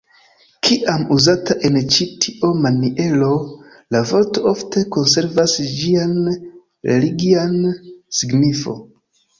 Kiam uzata en ĉi tio maniero la vorto ofte konservas ĝian religian signifo.